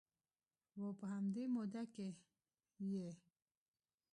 و په همدې موده کې یې